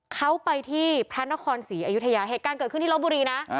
เขาไปที่พระนครศรีอยุธยาเหตุการณ์เกิดขึ้นที่ลบบุรีนะ